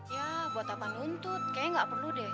ya buat apa nuntut kayaknya nggak perlu deh